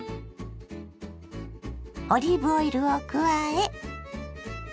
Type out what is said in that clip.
オリーブオイルを加え。